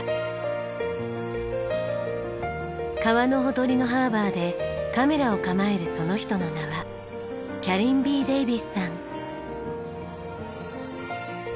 川のほとりのハーバーでカメラを構えるその人の名はキャリン・ビー・デイビスさん。